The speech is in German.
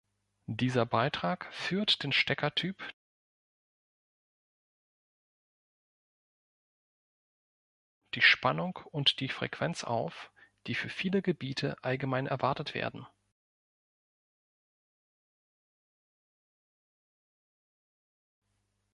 Dieser Beitrag führt den Steckertyp, die Spannung und die Frequenz auf, die für viele Gebiete allgemein erwartet werden.